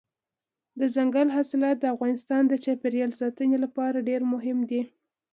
دځنګل حاصلات د افغانستان د چاپیریال ساتنې لپاره ډېر مهم دي.